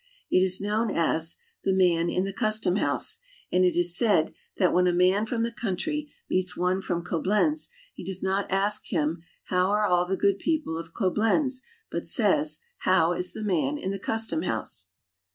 It is known as " The man in the customhouse," and it is said that when a man from the country meets one from Coblenz, he does not ask him how are all the good people of Coblenz, but says :" How is the man in the custom house